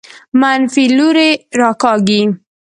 منفي لوري راکاږي.